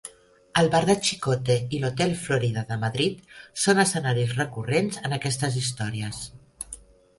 El bar de Chicote i l'hotel Florida de Madrid són escenaris recurrents en aquestes històries.